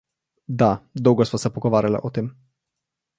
Da, dolgo sva se pogovarjala o tem.